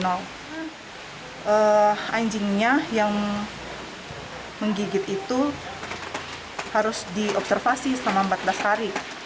anjingnya yang menggigit itu harus diobservasi selama empat belas hari